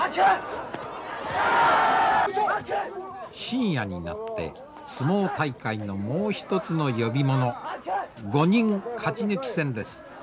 深夜になって相撲大会のもう一つの呼び物５人勝ち抜き戦です。